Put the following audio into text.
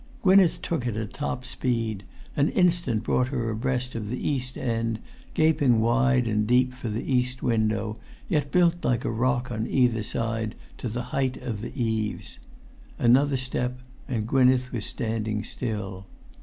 Gwynneth took it at top speed; an instant brought[Pg 261] her abreast of the east end, gaping wide and deep for the east window, yet built like a rock on either side to the height of the eaves. Another step, and Gwynneth was standing still.